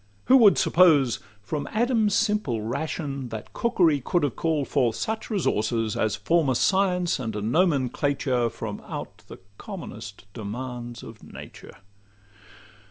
Who would suppose, from Adam's simple ration, That cookery could have call'd forth such resources, As form a science and a nomenclature From out the commonest demands of nature?